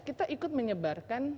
kita ikut menyebarkan